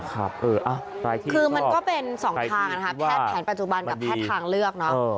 คือเป็นสองทางแทบแผนปัจจุบันกับแทบทางเลือก